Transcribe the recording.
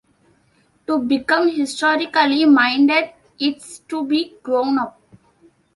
To become historically-minded is to be grown-up.